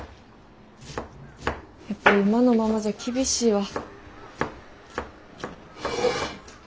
やっぱ今のままじゃ厳しいわ。